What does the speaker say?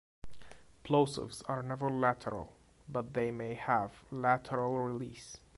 Plosives are never lateral, but they may have lateral release.